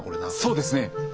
そうですね。